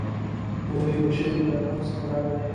مولوي بشير له دربند څخه راغی.